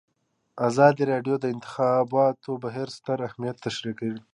ازادي راډیو د د انتخاباتو بهیر ستر اهميت تشریح کړی.